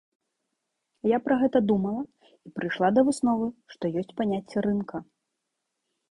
Я пра гэта думала, і прыйшла да высновы, што ёсць паняцце рынка.